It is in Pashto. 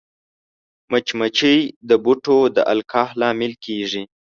مچمچۍ د بوټو د القاح لامل کېږي